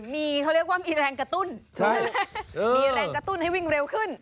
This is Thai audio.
มีเขาเรียกว่ามีแรงกระตุ้นมีแรงกระตุ้นให้วิ่งเร็วขึ้น